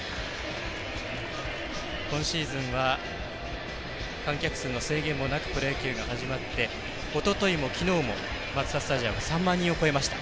今シーズンは観客数の制限もなくプロ野球始まっておととい、きのうマツダスタジアムは３万人を超えました。